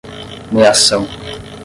meação